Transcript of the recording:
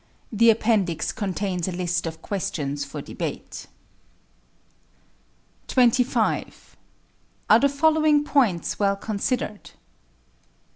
The Appendix contains a list of questions for debate. 25. Are the following points well considered?